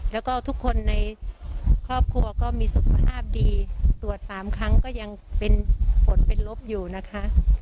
แล้วก็ทุกคนในครอบครัวก็มีสุขภาพดีตรวจ๓ครั้งก็ยังเป็นผลเป็นลบอยู่นะคะ